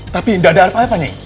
tapi tidak ada apa apa nyai